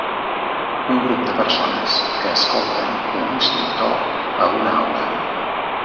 Un grup de persones que escolten un instructor a una aula.